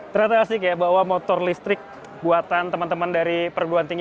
ternyata asik ya bawa motor listrik buatan teman teman dari perguruan tinggi